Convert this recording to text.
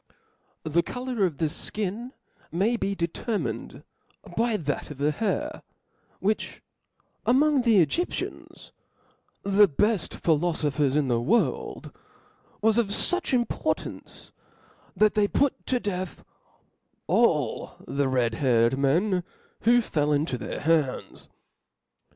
The colour of" the flcin may be determined by that of the hair, which among the flEgyptians, the befl: philofophers in the world, was of fuch importance, that they put to death all the red haired men who fell into their hands.